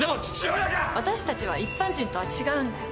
私たちは一般人とは違うんだよ。